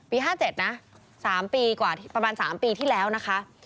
ปี๕๗นะสามปีกว่าประมาณสามปีที่แล้วนะคะ